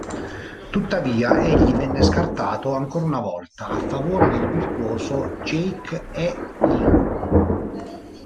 Tuttavia egli venne scartato ancora una volta, a favore del virtuoso Jake E. Lee.